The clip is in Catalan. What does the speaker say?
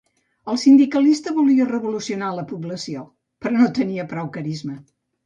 El sindicalista volia revolucionar la població, però no tenia prou carisma.